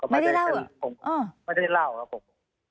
ไม่ได้เล่าหรออ้อไม่ได้เล่าครับผม